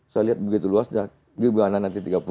saya lihat begitu luasnya gimana nanti tiga puluh ribu